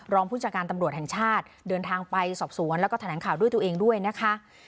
ผู้จัดการตำรวจแห่งชาติเดินทางไปสอบสวนแล้วก็แถลงข่าวด้วยตัวเองด้วยนะคะ